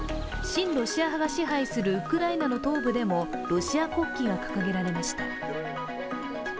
親ロシア派が支配するウクライナの東部でもロシア国旗が掲げられました。